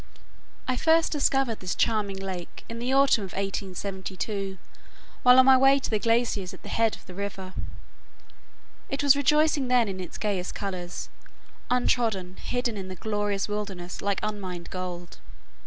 I first discovered this charming lake in the autumn of 1872, while on my way to the glaciers at the head of the river. It was rejoicing then in its gayest colors, untrodden, hidden in the glorious wildness like unmined gold.